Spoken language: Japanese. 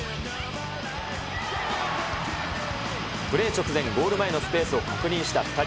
プレー直前、ゴール前のスペースを確認した２人。